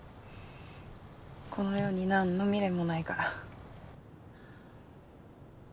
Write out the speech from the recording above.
この世に何の未練もないから。